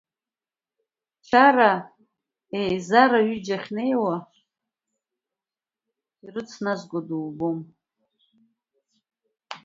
Чара, еизара аҩыџьа ахьнеиуа, ирыцназго дубом.